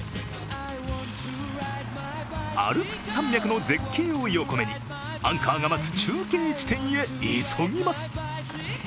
アルプス山脈の絶景を横目にアンカーが待つ中継地点へ急ぎます。